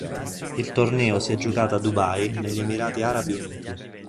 Il torneo si è giocato a Dubai negli Emirati Arabi Uniti.